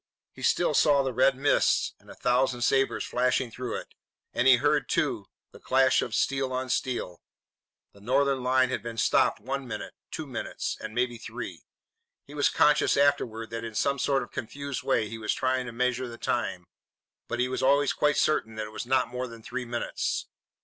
He still saw the red mist and a thousand sabres flashing through it, and he heard, too, the clash of steel on steel. The Northern line had been stopped one minute, two minutes, and maybe three. He was conscious afterwards that in some sort of confused way he was trying to measure the time. But he was always quite certain that it was not more than three minutes.